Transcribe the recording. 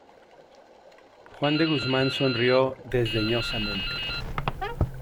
juan de Guzmán sonrió desdeñosamente: